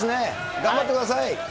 頑張ってください。